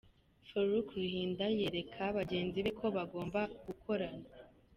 Farouk Ruhinda yereka bagenzi be ko bagomba gukorana.